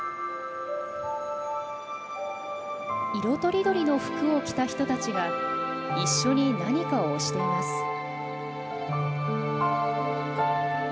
色とりどりの服を着た人たちが一緒に何かを押しています。